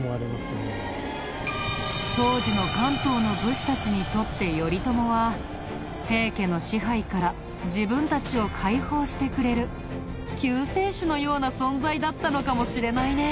当時の関東の武士たちにとって頼朝は平家の支配から自分たちを解放してくれる救世主のような存在だったのかもしれないね。